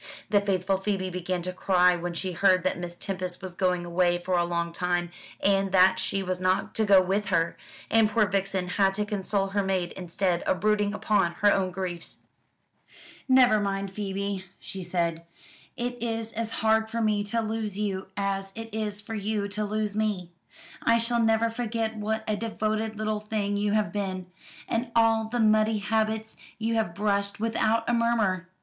The faithful Phoebe began to cry when she heard that Miss Tempest was going away for a long time, and that she was not to go with her; and poor Vixen had to console her maid instead of brooding upon her own griefs. "Never mind, Phoebe," she said; "it is as hard for me to lose you as it is for you to lose me. I shall never forget what a devoted little thing you have been, and all the muddy habits you have brushed without a murmur.